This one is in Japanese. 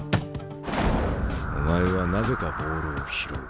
お前はなぜかボールを拾う。